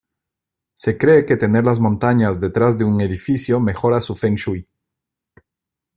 Se cree que tener las montañas detrás de un edificio mejora su feng shui.